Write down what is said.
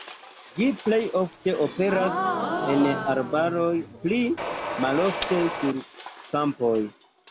Ĝi plej ofte aperas en arbaroj, pli malofte sur kampoj.